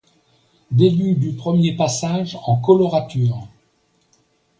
Début du premier passage en colorature.